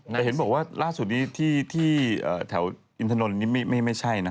แต่เห็นบอกว่าล่าสุดที่แถวอินทนนไม่ใช่